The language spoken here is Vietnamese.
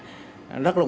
rất là khó khăn